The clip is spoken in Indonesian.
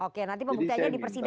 oke nanti pembuktiannya di persidangan